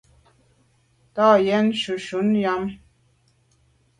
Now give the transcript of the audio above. Tàa yen shunshun yàme.